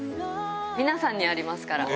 皆さんにありますから。